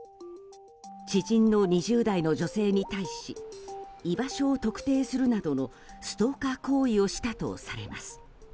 知人の２０代の女性に対し居場所を特定するなどのストーカー行為をしたとされます。